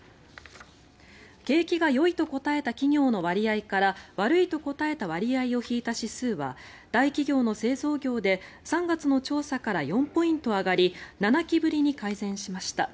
景気がよいと答えた企業の割合から悪いと答えた割合を引いた指数は大企業の製造業で３月の調査から４ポイント上がり７期ぶりに改善しました。